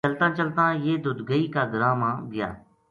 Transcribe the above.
چلتاں چلتاں یہ ددگئی کا گراں ما گیا